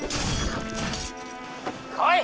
来い！